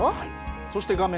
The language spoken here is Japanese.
そして画面